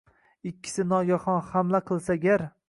Ikkisi nogahon hamla qilsa gar